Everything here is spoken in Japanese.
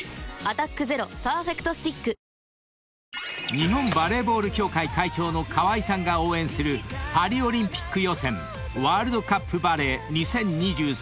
［日本バレーボール協会会長の川合さんが応援するパリオリンピック予選ワールドカップバレー２０２３］